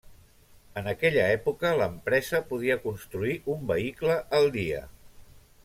En aquella època, l'empresa podia construir un vehicle al dia.